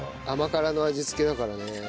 甘辛の味付けだからね